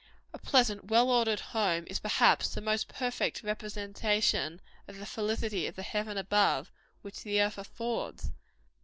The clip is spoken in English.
A pleasant, well ordered home, is perhaps the most perfect representation of the felicity of the heaven above, which the earth affords.